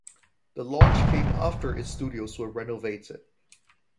The launch came after its studios were renovated.